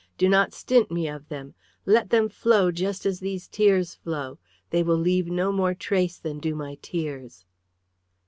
Do not stint me of them; let them flow just as these tears flow. They will leave no more trace than do my tears."